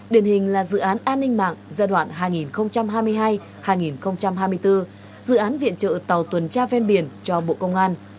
điển hình là dự án an ninh mạng giai đoạn hai nghìn hai mươi hai hai nghìn hai mươi bốn dự án viện trợ tàu tuần tra ven biển cho bộ công an